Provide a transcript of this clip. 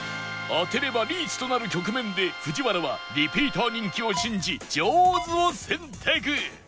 当てればリーチとなる局面で藤原はリピーター人気を信じジョーズを選択